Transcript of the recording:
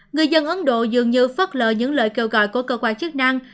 người dân ấn độ dường như phất lờ những lời kêu gọi của cơ quan chức năng